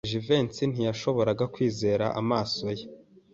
Jivency ntiyashoboraga kwizera amaso ye.